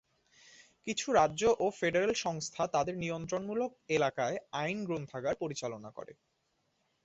কিছু রাজ্য ও ফেডারেল সংস্থা তাদের নিয়ন্ত্রণমূলক এলাকায় আইন গ্রন্থাগার পরিচালনা করে।